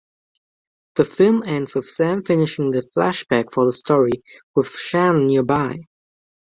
The film ends with Sam finishing the flashback for the story, with Shannon nearby.